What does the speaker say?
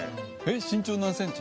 身長何センチ？